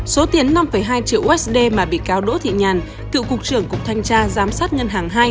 số tiền năm hai triệu usd mà bị cáo đỗ thị nhàn cựu cục trưởng cục thanh tra giám sát ngân hàng hai